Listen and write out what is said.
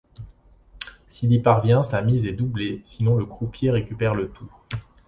S’il y parvient sa mise est doublée sinon le croupier récupère le tout.